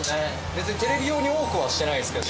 別にテレビ用に多くはしてないですけど。